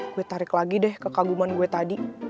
gue tarik lagi deh kekaguman gue tadi